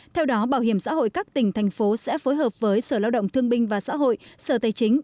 theo đó bảo hiểm xã hội các tỉnh thành phố sẽ phối hợp với sở lao động thương binh và xã hội sở tây chính